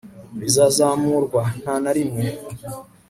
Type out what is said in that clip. bizazamurwa - nta na rimwe